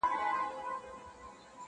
د پاچا يې د جامو كړل صفتونه!.